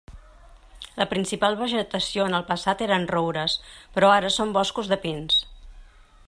La principal vegetació en el passat eren roures, però ara són boscos de pins.